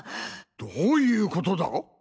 どういうことだ？